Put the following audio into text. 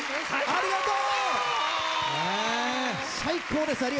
ありがとう。